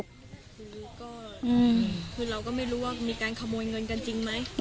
คือก็คือเราก็ไม่รู้ว่ามีการขโมยเงินกันจริงไหม